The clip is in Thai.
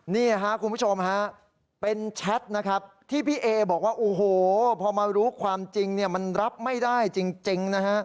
นี่คุณผู้ชมเป็นแชทที่พี่เอ๋บอกว่าพอมารู้ความจริงมันรับไม่ได้จริง